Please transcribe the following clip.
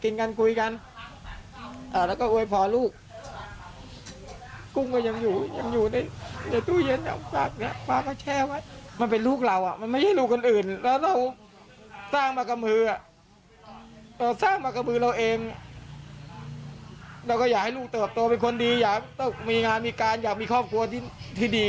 เราก็อยากให้ลูกเติบโตเป็นคนดีอยากมีงานมีการอยากมีครอบครัวที่ดี